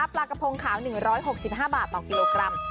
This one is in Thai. ปลากระพงขาว๑๖๕บาทต่อกิโลกรัม